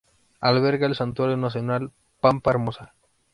Alberga al Santuario Nacional Pampa Hermosa.